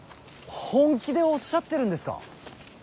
本気でおっしゃってるんですか。